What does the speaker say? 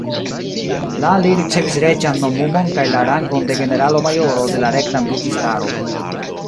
La li ricevis reĝan nomumon kaj la rangon de generalo-majoro de la regna militistaro.